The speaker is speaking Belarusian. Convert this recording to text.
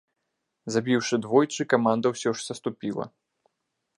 Забіўшы двойчы, каманда ўсё ж саступіла.